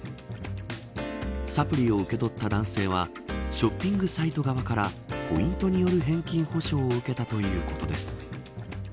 サプリを受け取った男性はショッピングサイト側からポイントによる返金保証を受けたということです。